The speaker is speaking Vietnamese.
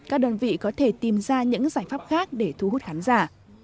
các đơn vị có thể tìm ra những giải pháp khác để thu hút khán giả